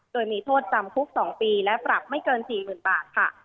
โดยมีโทษจำคุก๒ปีและปรับไม่เกิน๔๐๐๐บาทค่ะ